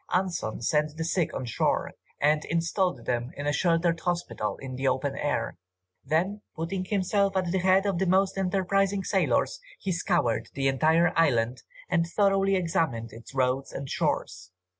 Anson sent the sick on shore and installed them in a sheltered hospital in the open air, then putting himself at the head of the most enterprising sailors, he scoured the entire island, and thoroughly examined its roads and shores.